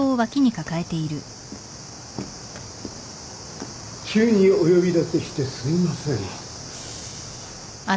急にお呼び立てしてすみません。